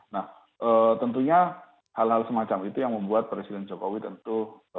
nah tentunya hal hal semacam itu yang membuat presiden jokowi tentu